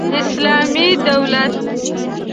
اسلامي دولت